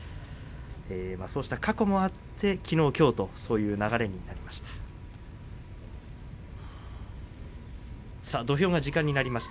そうした過去もあってきのう、きょうとそういう流れになりました。